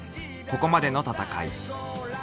ここまでの戦い］